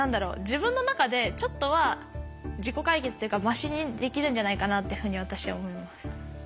自分の中でちょっとは自己解決というかマシにできるんじゃないかなっていうふうに私は思います。